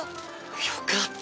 よかった。